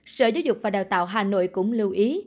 sở giáo dục và đào tạo hà nội cũng lưu ý